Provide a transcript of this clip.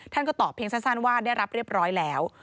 ท่านก็ตอบเพียงสั้นว่าได้รับเรียบร้อยแล้ว